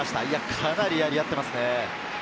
かなりやり合っていますね。